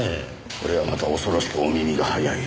これはまた恐ろしくお耳が早い。